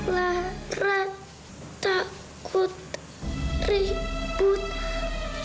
lara takut ribut